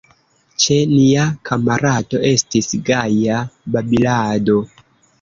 Ĉe nia kamarado Estis gaja babilado!